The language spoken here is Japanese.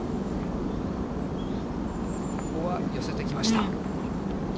ここは寄せてきました。